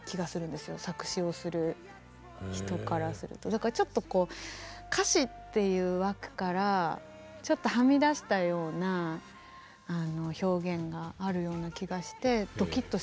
だからちょっとこう歌詞っていう枠からちょっとはみ出したような表現があるような気がしてドキッとします。